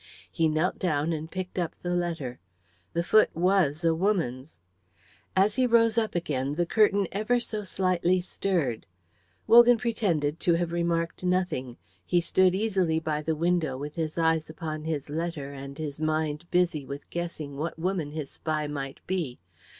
He knelt down and picked up the letter; the foot was a woman's. As he rose up again, the curtain ever so slightly stirred. Wogan pretended to have remarked nothing; he stood easily by the window with his eyes upon his letter and his mind busy with guessing what woman his spy might be.